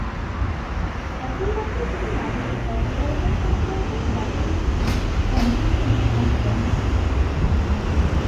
একই বছর তিনি মাদকের অপব্যবহার সংক্রান্ত জাতিসংঘের বিশেষ কনভেনশনে অংশগ্রহণ করেন।